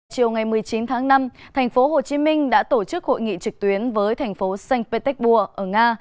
chiều ngày một mươi chín tháng năm thành phố hồ chí minh đã tổ chức hội nghị trực tuyến với thành phố sankt petersburg ở nga